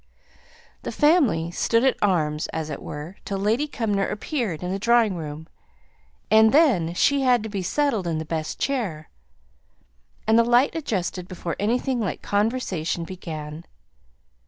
The family "stood at arms," as it were, till Lady Cumnor appeared in the drawing room; and then she had to be settled in the best chair, and the light adjusted before anything like conversation began.